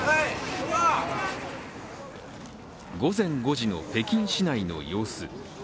午前５時の北京市内の様子。